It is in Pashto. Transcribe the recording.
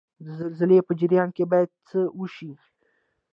د زلزلې په جریان کې باید څه وشي؟